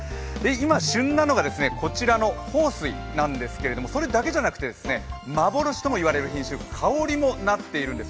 今、旬なのが、こちらの豊水なんですがそれだけじゃなくて幻ともいわれる品種かおりも実っているんです。